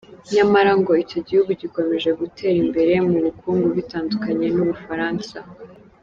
Nyamara ngo icyo gihugu gikomeje gutera imbere mu bukungu bitandukanye n’u Bufaransa.